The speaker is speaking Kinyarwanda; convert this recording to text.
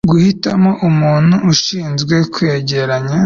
guhitamo umuntu ushinzwe kwegeranya